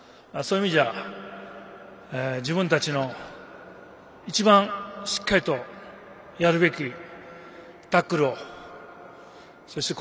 そういう意味では自分たちの一番しっかりとやるべき